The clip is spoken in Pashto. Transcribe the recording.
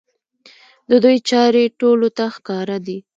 د دوی چارې ټولو ته ښکاره دي.